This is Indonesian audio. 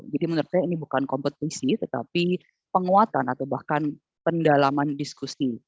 jadi menurut saya ini bukan kompetisi tetapi penguatan atau bahkan pendalaman diskusi